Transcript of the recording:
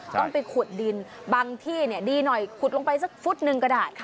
ต้องไปขุดดินบางที่ดีหน่อยขุดลงไปสักฟุตหนึ่งก็ได้ค่ะ